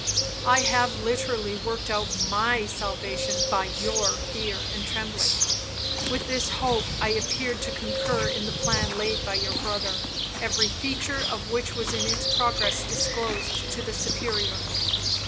I have literally worked out my salvation by your fear and trembling. With this hope I appeared to concur in the plan laid by your brother, every feature of which was in its progress disclosed to the Superior.